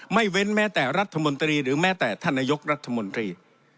เว้นแม้แต่รัฐมนตรีหรือแม้แต่ท่านนายกรัฐมนตรี